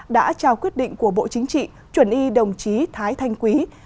đã trao quyết định của bộ chính trị chuẩn y đồng chí thái thanh quý